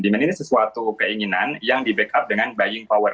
demand ini sesuatu keinginan yang di backup dengan buying power